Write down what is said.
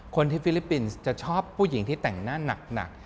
ฟิลิปปินส์จะชอบผู้หญิงที่แต่งหน้าหนัก